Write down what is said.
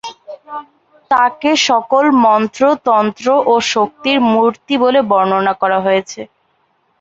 তাকে সকল মন্ত্র, তন্ত্র ও শক্তির মূর্তি বলে বর্ণনা করা হয়েছে।